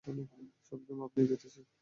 সব গেম আপনি জিতেছেন।